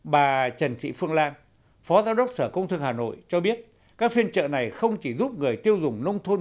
bà trần thị phương lan phó giáo đốc sở công thương hà nội cho biết các phiên trợ này không chỉ giúp người tiêu dùng nông thôn